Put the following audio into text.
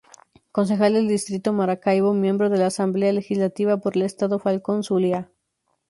Concejal del Distrito Maracaibo, miembro de la Asamblea Legislativa por el estado Falcón-Zulia.